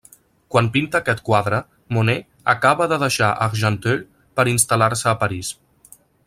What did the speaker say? Quan pinta aquest quadre, Monet acaba de deixar Argenteuil per instal·lar-se a París.